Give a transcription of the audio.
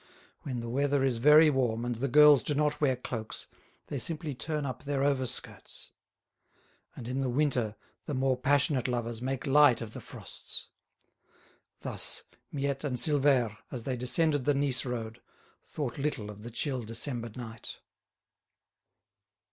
When the weather is very warm and the girls do not wear cloaks, they simply turn up their over skirts. And in the winter the more passionate lovers make light of the frosts. Thus, Miette and Silvère, as they descended the Nice road, thought little of the chill December night.